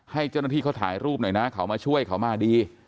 ให้เจ้าหน้าที่เขาถ่ายรูปหน่อยนะเขามาช่วยเขามาดี